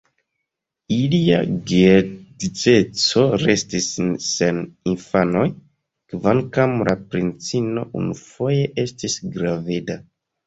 Ilia geedzeco restis sen infanoj, kvankam la princino unufoje estis graveda.